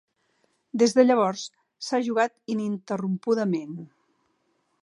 Des de llavors s'ha jugat ininterrompudament.